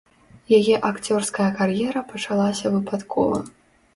Яе акцёрская кар'ера пачалася выпадкова.